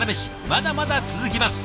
まだまだ続きます！